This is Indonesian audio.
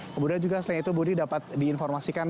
kemudian juga selain itu budi dapat diinformasikan